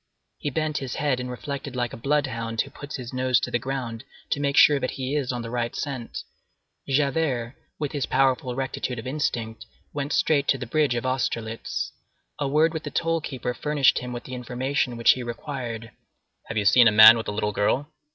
He bent his head and reflected like a blood hound who puts his nose to the ground to make sure that he is on the right scent. Javert, with his powerful rectitude of instinct, went straight to the bridge of Austerlitz. A word with the toll keeper furnished him with the information which he required: "Have you seen a man with a little girl?"